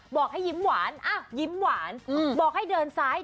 บอกเลยว่าน่ารักมากคุณผู้ชม